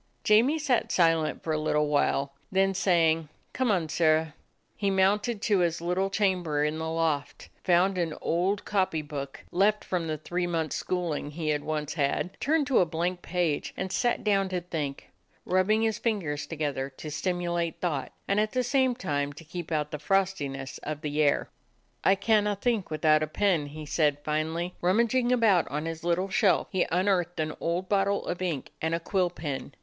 Jamie sat silent for a little while. Then saying, "Come on, Sirrah," he mounted to his little chamber in the loft, found an old copy book, left from the three months' school ing he had once had, turned to a blank page, and sat down to think, rubbing his fingers to gether to stimulate thought, and at the same time to keep out the frostiness of the air. "I canna think without a pen," he said fin ally. Rummaging about on his little shelf, he unearthed an old bottle of ink and a quill pen.